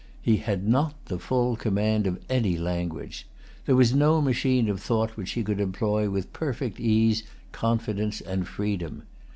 He had not the full command of any language. There was no machine of thought which he could employ with perfect ease, confidence, and freedom.